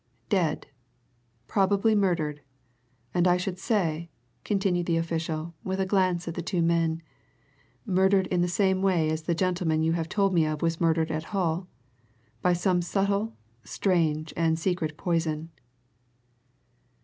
"Dead! Probably murdered. And I should say," continued the official, with a glance at the two men, "murdered in the same way as the gentleman you have told me of was murdered at Hull by some subtle, strange, and secret poison."